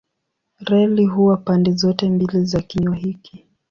Reli huwa pande zote mbili za kinywa hiki.